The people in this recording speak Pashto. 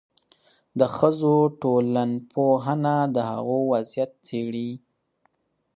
د ښځو ټولنپوهنه د هغوی وضعیت څېړي.